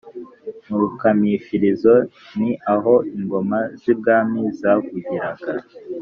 mu rukamishirizo ni aho ingoma z’ibwami zavugiraga,